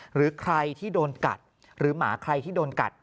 หรือใครที่โดนกัดหรือหมาใครที่โดนกัด